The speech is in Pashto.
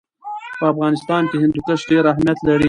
په افغانستان کې هندوکش ډېر اهمیت لري.